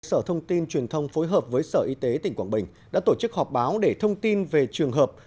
sở thông tin truyền thông phối hợp với sở y tế tỉnh quảng bình đã tổ chức họp báo để thông tin về trường hợp